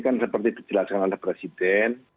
kan seperti dijelaskan oleh presiden